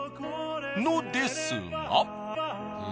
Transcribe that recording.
のですが。